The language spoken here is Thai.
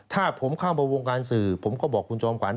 ถ้าผมเข้ามาวงการสื่อผมก็บอกคุณจอมขวัญ